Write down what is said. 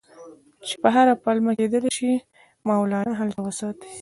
چې په هره پلمه کېدلای شي مولنا هلته وساتي.